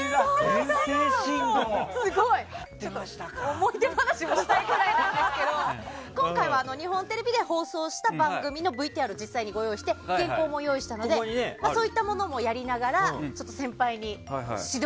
思い出話もしたいんですが今回は日本テレビで放送した番組のＶＴＲをご用意して原稿もご用意したのでそういったものもやりながら先輩に指導。